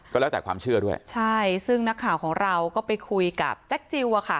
ก็แล้วแต่ความเชื่อด้วยใช่ซึ่งนักข่าวของเราก็ไปคุยกับแจ็คจิลอะค่ะ